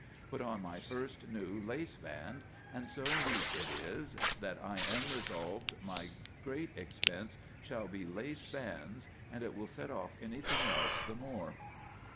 Put on my first new lace band; and so neat it is, that I am resolved my great expense shall be lace bands, and it will set off anything else the more."